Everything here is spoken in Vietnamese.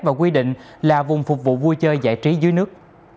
và quy định là vùng phục vụ vui chơi giải trí dưới nước